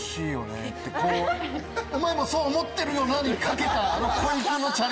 「お前もそう思ってるよな？」に懸けた。